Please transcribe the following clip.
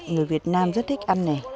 người việt nam rất thích ăn này